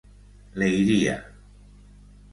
Leiria.